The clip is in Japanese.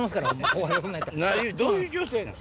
どういう状態なん？